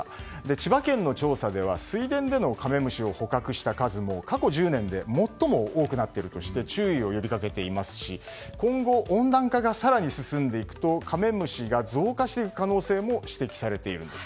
千葉県の調査では水田でのカメムシを捕獲した数も過去１０年で最も多くなっているとして注意を呼び掛けていますし今後、温暖化が更に進んでいくとカメムシが増加していく可能性も指摘されているんです。